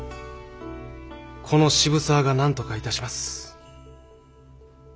この渋沢が何とかいたします。